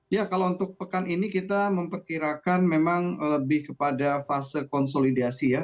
ya kalau untuk pekan ini kita memperkirakan memang lebih kepada fase konsolidasi ya